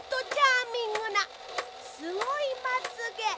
すごいまつげ！